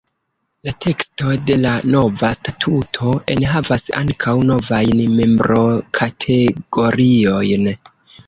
La teksto de la nova statuto enhavas ankaŭ novajn membrokategoriojn.